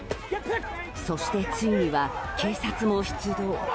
そして、ついには警察も出動。